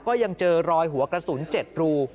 ก็ยังเจอรอยหัวกระสุน๗รู